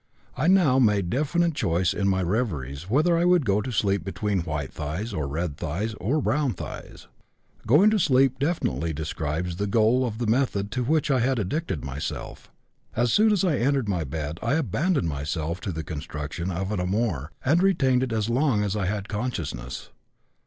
I now made definite choice in my reveries whether I would go to sleep between white thighs, or red thighs, or brown thighs. Going to sleep definitely describes the goal of the method to which I had addicted myself. As soon as I entered my bed I abandoned myself to the construction of an amour and retained it as long as I had consciousness.